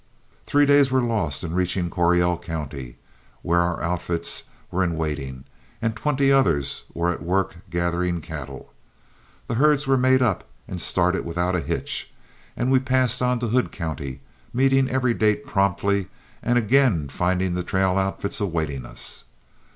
Three days were lost in reaching Coryell County, where our outfits were in waiting and twenty others were at work gathering cattle. The herds were made up and started without a hitch, and we passed on to Hood County, meeting every date promptly and again finding the trail outfits awaiting us.